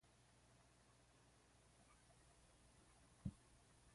In "The Case for Animal Rights", Regan argued that non-human animals bear moral rights.